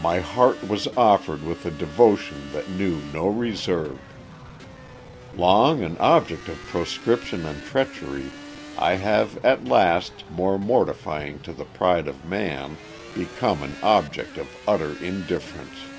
My heart was offered with a devotion that knew no reserve. Long an object of proscription and treachery, I have at last, more mortifying to the pride of man, become an object of utter indifference."